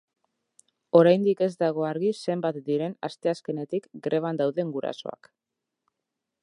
Oraindik ez dago argi zenbat diren asteazkenetik greban dauden gurasoak.